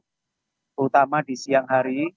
terutama di siang hari